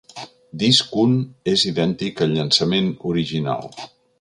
Disc un és idèntic al llançament original.